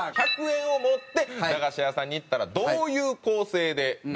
１００円を持って駄菓子屋さんに行ったらどういう構成で駄菓子を買うか。